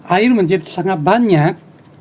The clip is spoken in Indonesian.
air menjadi sangat banyak